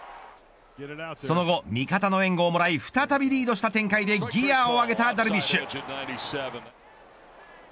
その後、味方の援護をもらい再びリードした展開でギアを上げたダルビッシュ。